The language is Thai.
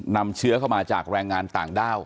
นำเชื้อเข้ามาจากแรงงานต่างด้าว